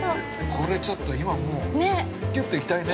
◆これ、ちょっと、今もう、きゅっといきたいね。